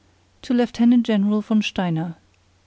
TO LIEUTENANT GENERAL VON STEINER.